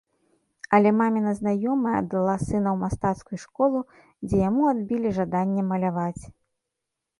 Але маміна знаёмая аддала сына ў мастацкую школу, дзе яму адбілі жаданне маляваць.